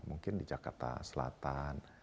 mungkin di jakarta selatan